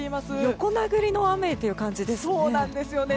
横殴りの雨という感じですね。